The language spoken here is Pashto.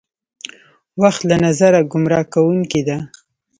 وخت له نظره ګمراه کوونکې ده.